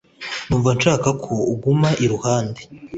numva nshaka ko unguma i ruhande